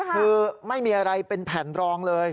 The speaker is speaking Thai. คือไม่มีอะไรเป็นแผ่นรองเลย